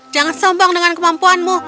jangan sombong dengan kemampuanmu